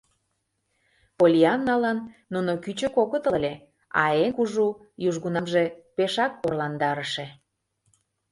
Поллианналан нуно кӱчык огытыл ыле, а эн кужу, южгунамже пешак орландарыше.